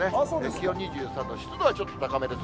気温２３度、湿度はちょっと高めです。